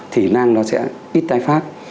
thì nang nó sẽ ít tai phát